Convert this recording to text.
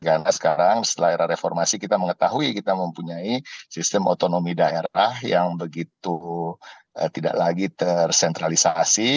karena sekarang setelah era reformasi kita mengetahui kita mempunyai sistem otonomi daerah yang begitu tidak lagi tersentralisasi